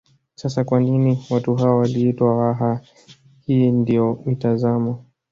Sasa kwa nini watu hao waliitwa Waha hii ndiyo mitazamo